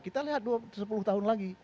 kita lihat sepuluh tahun lagi